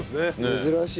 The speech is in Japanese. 珍しい。